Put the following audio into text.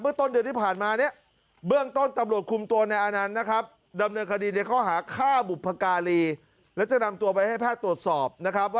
เมื่อต้นเดือนที่ผ่านมาเนี่ยเบื้องต้นตำรวจคุมตัวในอาณานนะครับ